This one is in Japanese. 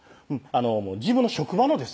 自分の職場のですね